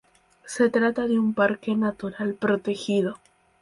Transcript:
Se trata de un parque natural protegido.